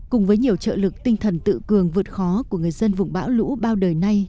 cùng với nhiều trợ lực tinh thần tự cường vượt khó của người dân vùng bão lũ bao đời nay